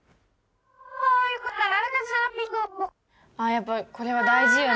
やっぱりこれは大事よね。